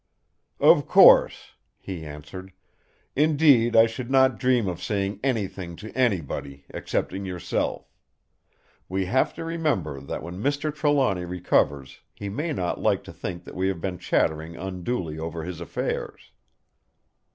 "Of course!" he answered. "Indeed I should not dream of saying anything to anybody, excepting yourself. We have to remember that when Mr. Trelawny recovers he may not like to think that we have been chattering unduly over his affairs."